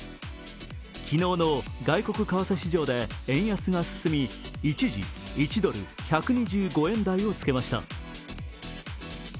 昨日の外国為替市場で円安が進み一時１ドル＝１２５円台をつけました。